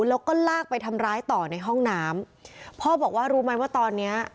แล้วก็ลากไปทำร้ายต่อในห้องน้ำพ่อบอกว่ารู้ไหมว่าตอนเนี้ย